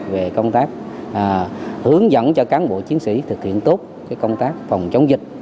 về công tác hướng dẫn cho cán bộ chiến sĩ thực hiện tốt công tác phòng chống dịch